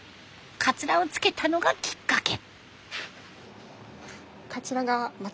かつらをつけたのがきっかけ。